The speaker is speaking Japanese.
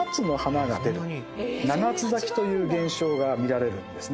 という現象が見られるんですね。